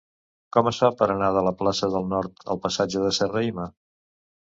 Com es fa per anar de la plaça del Nord al passatge de Serrahima?